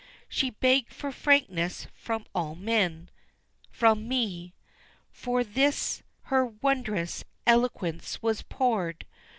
She begged for frankness from all men from me For this her wondrous eloquence was poured.